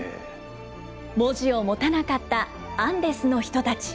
文字を持たなかったアンデスの人たち。